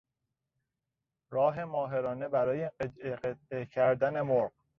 راه ماهرانه برای قطعه قطعه کردن مرغ